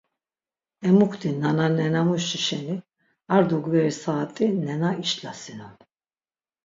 Emukti nananenamuşi şeni ardogveri saat̆i nena işlasinon.